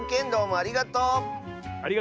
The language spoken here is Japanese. ありがとう！